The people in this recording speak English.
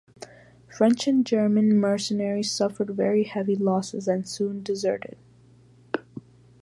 French and German mercenaries suffered very heavy losses and soon deserted.